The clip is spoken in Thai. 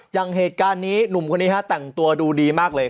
อย่างเหตุการณ์นี้หนุ่มคนนี้ฮะแต่งตัวดูดีมากเลย